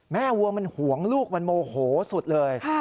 วัวมันห่วงลูกมันโมโหสุดเลย